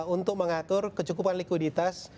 untuk mengatur kecukupan likuiditas